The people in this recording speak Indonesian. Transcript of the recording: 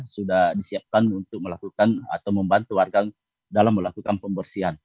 sudah disiapkan untuk melakukan atau membantu warga dalam melakukan pembersihan